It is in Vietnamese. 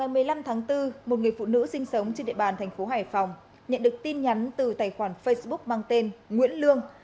vào ngày một mươi năm tháng bốn một người phụ nữ sinh sống trên địa bàn thành phố hải phòng nhận được tin nhắn từ tài khoản facebook mang tên nguyễn lương